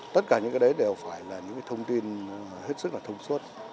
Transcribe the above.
tất cả những cái đấy đều phải là những thông tin hết sức là thông suốt